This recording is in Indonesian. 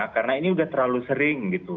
karena ini sudah terlalu sering